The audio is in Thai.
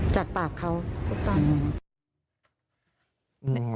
จัดปากเขาตอนนี้